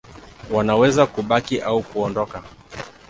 Wanaweza kubaki au kuondoka.